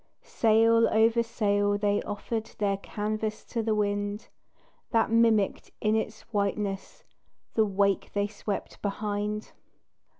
Sail over sail they offered Their canvas to the wind, That mimicked in its whiteness The wake they swept behind.